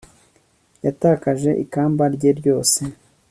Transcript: Yatakaje ikamba rye ryose